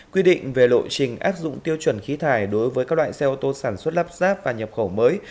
quy định về lộ trình áp dụng tiêu chuẩn khí thải đối với các loại xe ô tô sản xuất lắp ráp và nhập khẩu mới